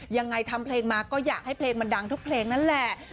ยังไงทำเพลงมาก็อยากให้เพลงมันดังทุกเพลงนั่นแหละ